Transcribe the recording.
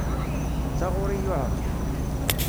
D taɣuri yuεren.